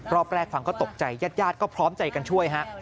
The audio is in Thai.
รอบแรกฟังก็ตกใจญาติญาติก็พร้อมใจกันช่วยฮะ